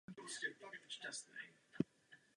Areál kláštera je zapsanou památkou.